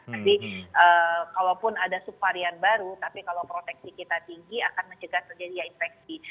jadi kalaupun ada suvarian baru tapi kalau proteksi kita tinggi akan mencegah terjadi infeksi